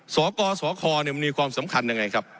สกสคมันมีความสำคัญยังไงครับ